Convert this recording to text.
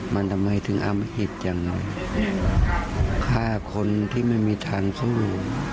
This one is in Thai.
มันทำไมถึงอมหิตอย่างฆ่าคนที่ไม่มีทางสู้